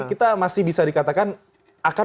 kita masih bisa dikatakan akan